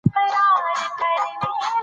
زه د دوهم ټولګی نګران يم